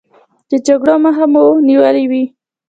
د جګړو مخه به مو نیولې وي.